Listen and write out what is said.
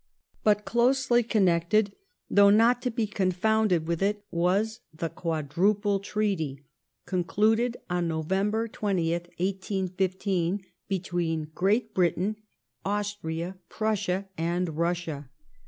But closely connected, though not to be confounded with Nov. 2Q,/ il^> w^ ^^^ Quadruple Treaty concluded on November 20th, 1815, 1815 ^V between Great Britain, Austria, Prussia, and Russia.